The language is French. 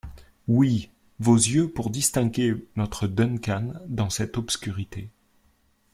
Oui, vos yeux pour distinguer notre Duncan dans cette obscurité.